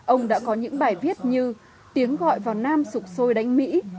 ông đã có những bài viết như tiếng gọi vào nam sụp sôi đánh mỹ